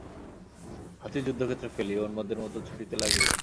হাতি যুদ্ধক্ষেত্র ফেলিয়া উন্মাদের মতো ছুটিতে লাগিল।